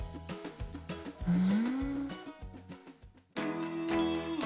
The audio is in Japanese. うん。